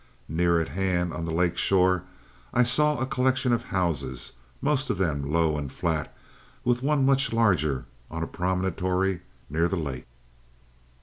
Near at hand, on the lake shore, I saw a collection of houses, most of them low and flat, with one much larger on a promontory near the lake.